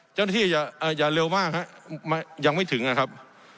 เจ้าหน้าที่อย่าอย่าเร็วมากฮะยังไม่ถึงอ่ะครับ